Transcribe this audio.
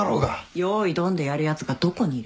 用意ドンでやるやつがどこにいる？